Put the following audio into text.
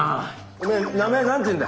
おめえ名前何ていうんだ？